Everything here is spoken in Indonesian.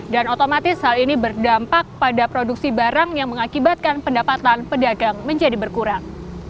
dan otomatis hal ini berdampak pada produksi barang yang mengakibatkan pendapatan pedagang menjadi berkurang